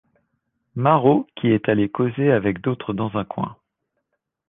Marot, qui est allé causer avec d’autres dans un coin.